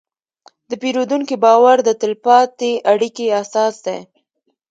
د پیرودونکي باور د تل پاتې اړیکې اساس دی.